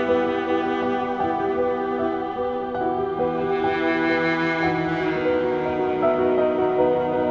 aku ingat yang kau mau lakukan